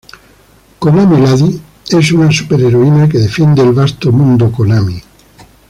Konami Lady es una superheroína que defiende el vasto Mundo Konami.